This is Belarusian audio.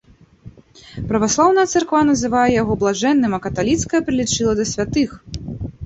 Праваслаўная царква называе яго блажэнным, а каталіцкая прылічыла да святых.